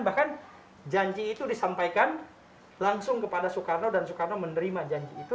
bahkan janji itu disampaikan langsung kepada soekarno dan soekarno menerima janji itu